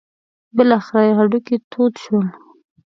بالاخره یې هډوکي تود شول.